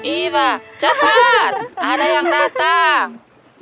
iba cepat ada yang datang